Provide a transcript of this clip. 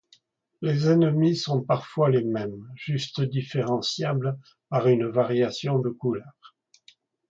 Les ennemis sont parfois les mêmes, juste différenciables par une variation de couleur.